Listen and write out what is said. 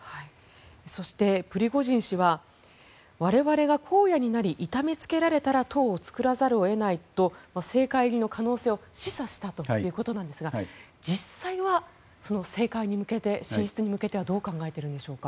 そして、プリゴジン氏は我々が荒野になり痛めつけられたら党を作らざるを得ないと政界入りの可能性を示唆したということなんですが実際は、政界に向けて進出に向けてはどう考えているんでしょうか。